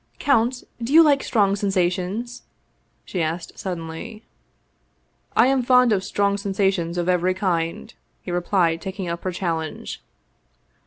"Count, do you like strong sensations?" she asked sud denly. " I am fond of strong sensations of every kind," he replied, taking up her challenge.